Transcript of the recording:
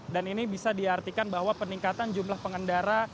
dan ini bisa diartikan bahwa peningkatan jumlah pengendara